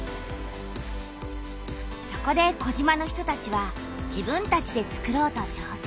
そこで児島の人たちは自分たちでつくろうとちょうせん！